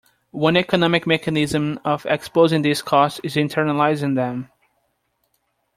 One economic mechanism of exposing these costs is internalizing them.